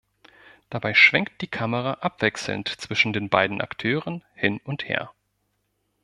Dabei schwenkt die Kamera abwechselnd zwischen den beiden Akteuren hin und her.